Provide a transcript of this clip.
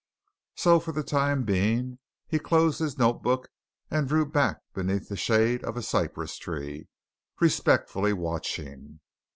So for the time being he closed his note book and drew back beneath the shade of a cypress tree, respectfully watching.